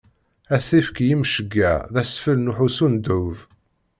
Ad t-ifk i yimceyyeɛ d asfel n uḥussu n ddnub.